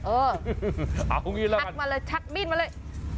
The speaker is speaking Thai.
เออเอางี้ละกันชัดมาเลยชัดมีดมาเลย